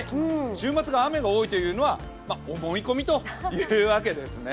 週末が雨が多いというのは思い込みというわけですね。